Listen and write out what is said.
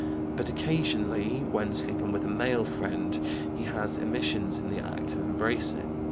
But occasionally, when sleeping with a male friend, he has emissions in the act of embracing.